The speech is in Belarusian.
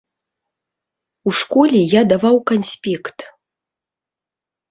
У школе я даваў канспект.